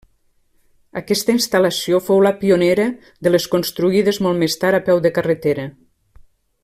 Aquesta instal·lació fou la pionera de les construïdes molt més tard a peu de carretera.